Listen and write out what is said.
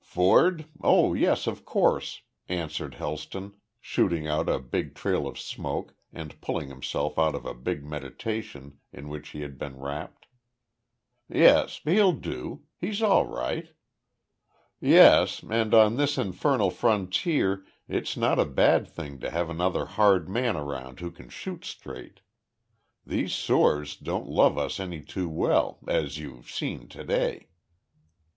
"Ford? Oh, yes, of course," answered Helston, shooting out a big trail of smoke and pulling himself out of a big meditation in which he had been wrapped. "Yes. He'll do. He's all right." "Yes. And on this infernal frontier it's not a bad thing to have another hard man around who can shoot straight. These soors don't love us any too well as you've seen to day."